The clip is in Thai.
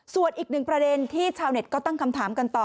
ส่วนอีกหนึ่งประเด็นที่ชาวเน็ตก็ตั้งคำถามกันต่อ